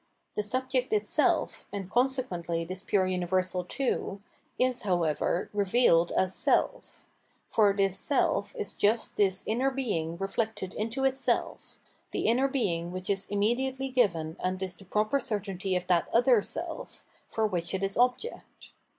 The Subject itself, and consequently this pure universal too, is, however, revealed as self; for this self is just this inner being reflected into itself, the inner being which is immediately given and is the proper certainty of that [other] self, for which it is object.